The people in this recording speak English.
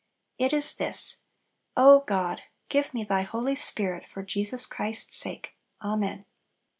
It is this: "O God, give me Thy Holy Spirit, for Jesus Christ's sake. Amen."